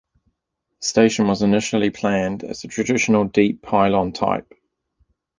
The station was initially planned as a traditional deep pylon type.